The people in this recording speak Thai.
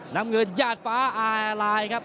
น้ำเงินญาติฟ้าอาลายครับ